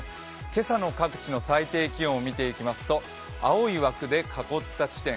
今朝の各地の最低気温を見ていきますと青い枠で囲った地点